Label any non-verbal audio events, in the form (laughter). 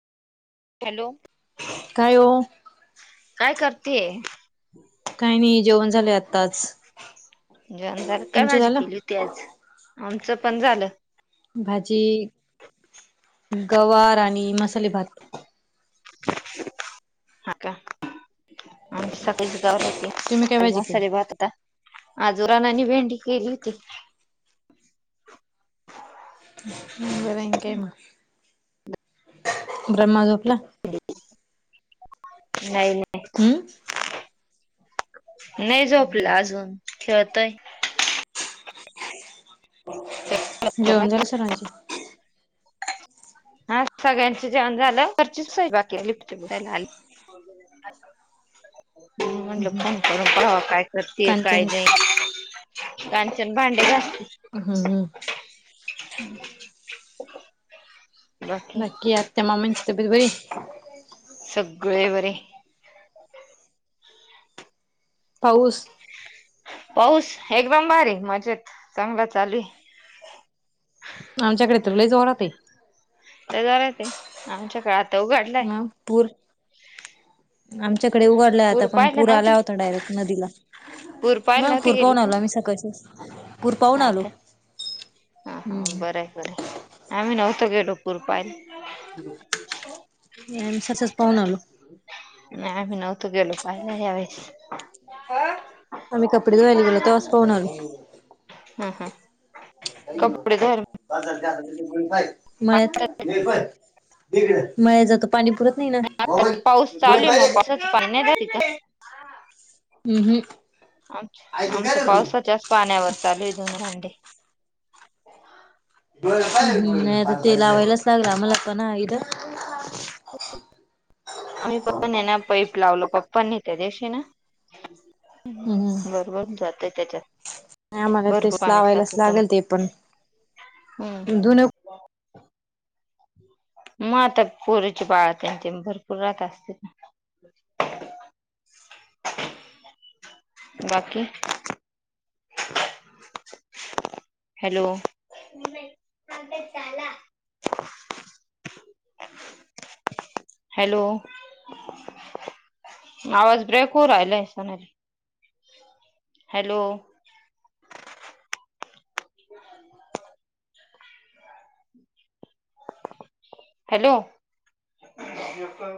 Hello काय हो काय करते? काही नाही जेवण झाले आत्ताच. जेण झाल काय तुमचं भाझी झालं केली होती आज. आमचं पण झाल. भाजी गवार आणि मसाले भात. हा का आम सकाळीच गवार होती. तुम्ही काय आणि भाजी केली मसाले भात होता. आजो रानानी भेंडी केली होती. बरं काय मग ब्रह्मा झोपला. नाही नाही. हम्म नाही झोपला अजून खेळतय. जेवण हा झाल सर्वांचे. हा सगळ्यांच जेवण झालं वरचीच बाकी लिफ्ट बुडयला आली हो म्हटलं फोन करून पाहाव काय करते? काय कांचन नाही. कांचन भांडे घासते. हम्म हम्. बाकी आ त्या मामांची तब्येत बरी? सगळे बरे. पाऊस? पाऊस एकदम बारी मजेत चांगला चालू. आमच्याकडे तर लय जोरात आहे. ते घरात हे आमच्याक मग पूर आमच्याकडे उघडल्या आता पण पाहायला पूर नव्हती आल्या होता डायरेक्ट नदीला. पूर पाहिला मग नव्हती पूर गेली पाहून का? आलो आम्ही सकाळच पूर पाहून हा आलो का ह हा हम्म बर आहे बरं आम्ही नव्हतो गे टोपूर पायल नाहीम सकालिस पाहून आलो. नाही आम्ही नव्हतो. गेलो पाहायला यावेळेस आम्ही कपडे धुवायला गेलो तेव्हाच पाहून आलो. हा हा. (unintelligible) (unintelligible) कपडे धर पाणी पुरत नाही ना पाऊस चालू आहे मग हम्म. आम आमच्या पावसाच्याच पाण्यावर चालू आहे धून भांडे. अ (unintelligible) आम्ही पण आहे ना पैप लावलो पप्पनी त्या दिशी ना, हम्म बरोबर जातय त्याच्यात. आम्हाला भरपूर तेच पाणी साचत लावायलाच होतं. लागेल ते पण हम्म जुन, मग आता पोरचे बाळ त्यांचे भरपूर राहत असते ना. बाकी? हॅलो (inaudible) हॅलो आवाज ब्रेक हो ऊ राहिला. Hello hello